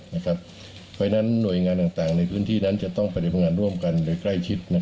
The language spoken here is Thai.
เพราะฉะนั้นหน่วยงานต่างในพื้นที่นั้นจะต้องปฏิบัติงานร่วมกันโดยใกล้ชิด